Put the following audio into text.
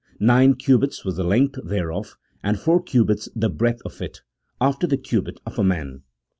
nine cubits was the length thereof, and four cubits the breadth of it, after the cubit of a man."